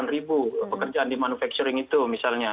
tiga puluh delapan ribu pekerjaan di manufacturing itu misalnya